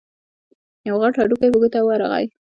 يو غټ هډوکی په ګوتو ورغی.